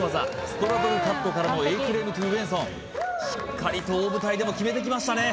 ストラドルカットからのＡフレームｔｏウェンソンしっかりと大舞台でも決めてきましたね